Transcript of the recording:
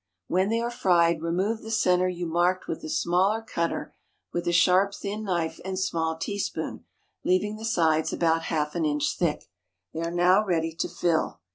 When they are fried, remove the centre you marked with the smaller cutter with a sharp thin knife and small teaspoon, leaving the sides about half an inch thick. They are now ready to fill.